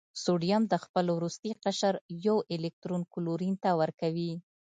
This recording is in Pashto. سوډیم د خپل وروستي قشر یو الکترون کلورین ته ورکوي.